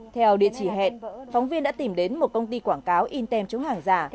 theo địa chỉ hẹn phóng viên đã tìm đến một công ty quảng cáo in tem chống hàng giả